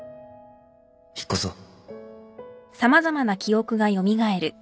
引っ越そう